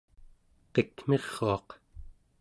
qikmiruaq